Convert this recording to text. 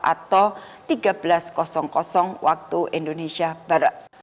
atau tiga belas waktu indonesia barat